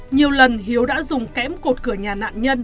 nhiều lần hiếu đã dùng kẽm cột cửa nhà nạn nhân